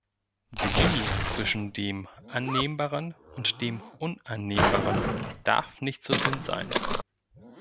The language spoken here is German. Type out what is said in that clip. Die Linie zwischen dem Annehmbaren und dem Unannehmbaren darf nicht so dünn sein.